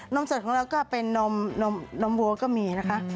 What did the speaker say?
นมสดของเราก็เป็นนมนมวัวก็มี